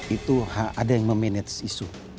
itu ada yang memanage isu